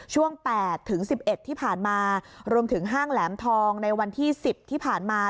ช่วง๘ถึง๑๑ที่ผ่านมารวมถึงห้างแหลมทองในวันที่๑๐ที่ผ่านมา